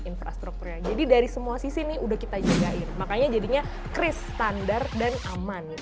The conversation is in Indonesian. infrastrukturnya jadi dari semua sisi nih udah kita jagain makanya jadinya kris standar dan aman